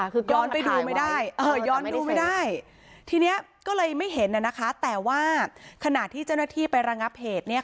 คือย้อนไปดูไม่ได้ที่นี้ก็เลยไม่เห็นแต่ว่าขณะที่เจ้าหน้าที่ไปรังับเหตุ